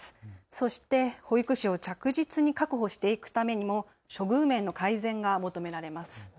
そして保育士を着実に確保していくためにも処遇面の改善が求められます。